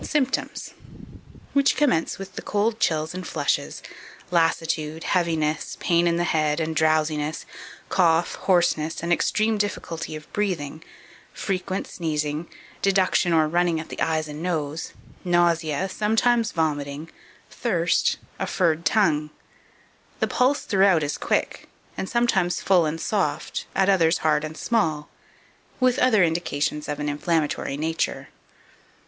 Symptoms, which commence with cold chills and flushes, lassitude, heaviness, pain in the head, and drowsiness, cough, hoarseness, and extreme difficulty of breathing, frequent sneezing, deduction or running at the eyes and nose, nausea, sometimes vomiting, thirst, a furred tongue; the pulse throughout is quick, and sometimes full and soft, at others hard and small, with other indications of an inflammatory nature.